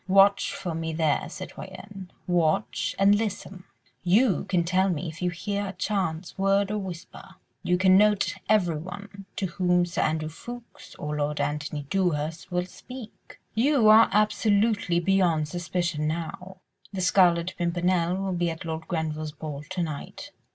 ... Watch for me there, citoyenne, watch and listen. ... You can tell me if you hear a chance word or whisper. ... You can note everyone to whom Sir Andrew Ffoulkes or Lord Antony Dewhurst will speak. You are absolutely beyond suspicion now. The Scarlet Pimpernel will be at Lord Grenville's ball to night.